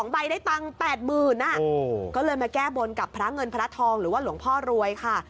ใบได้ตังค์๘๐๐๐ก็เลยมาแก้บนกับพระเงินพระทองหรือว่าหลวงพ่อรวยค่ะ